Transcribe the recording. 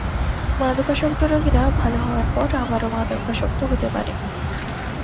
মাদকাসক্ত রোগীরা ভালো হওয়ার পর আবারও মাদকাসক্ত হতে পারে।